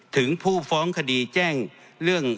ถึงผู้ฟ้องคดีแจ้งเรื่อง